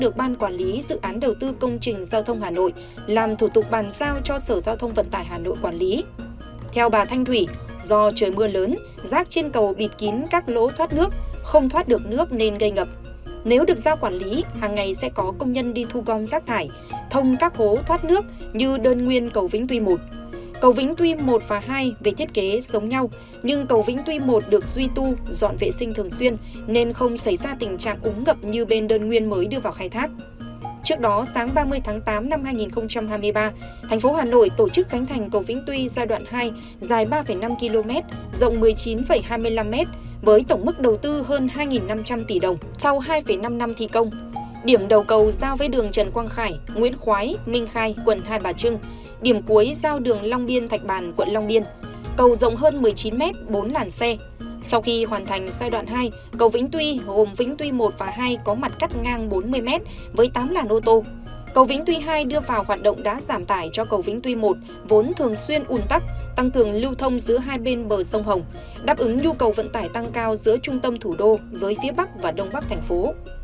cầu vĩnh tuy hai đưa vào hoạt động đá giảm tải cho cầu vĩnh tuy một vốn thường xuyên un tắc tăng thường lưu thông giữa hai bên bờ sông hồng đáp ứng nhu cầu vận tải tăng cao giữa trung tâm thủ đô với phía bắc và đông bắc thành phố